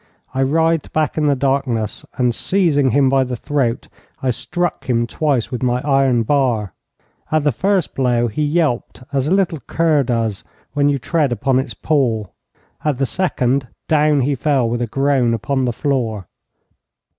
I writhed back in the darkness, and seizing him by the throat, I struck him twice with my iron bar. At the first blow he yelped as a little cur does when you tread upon its paw. At the second, down he fell with a groan upon the floor.